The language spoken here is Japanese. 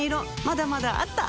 まだまだあった！